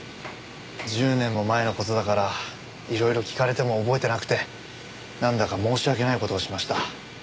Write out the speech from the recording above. １０年も前の事だからいろいろ聞かれても覚えてなくてなんだか申し訳ない事をしました。